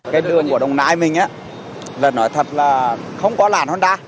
cái đường của đồng nai mình á là nói thật là không có làn honda